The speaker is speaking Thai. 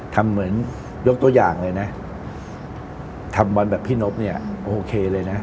ทำเหมือนยกตัวอย่างเลยนะทำบอลแบบพี่นบเนี่ยโอเคเลยนะ